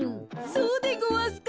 そうでごわすか？